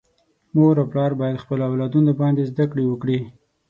مور او پلار باید خپل اولادونه باندي زده کړي وکړي.